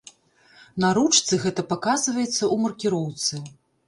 На ручцы гэта паказваецца ў маркіроўцы.